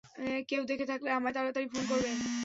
কেউ দেখে থাকলে আমায় তাড়াতাড়ি ফোন করবে।